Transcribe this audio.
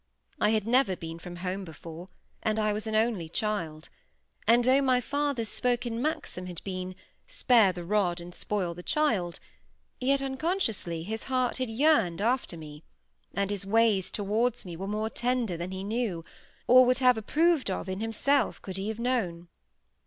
I had never been from home before, and I was an only child; and though my father's spoken maxim had been, "Spare the rod, and spoil the child", yet, unconsciously, his heart had yearned after me, and his ways towards me were more tender than he knew, or would have approved of in himself could he have known.